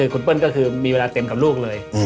คุณเปิ้ลก็คือมีเวลาเต็มกับลูกเลย